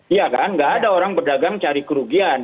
ya kan gak ada orang berdagang cari kerugian